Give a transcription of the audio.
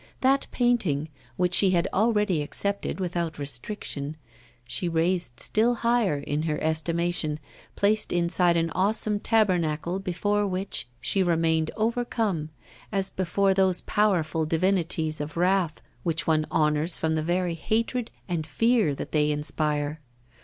That painting, which she had already accepted without restriction, she raised still higher in her estimation, placed inside an awesome tabernacle before which she remained overcome, as before those powerful divinities of wrath which one honours from the very hatred and fear that they inspire.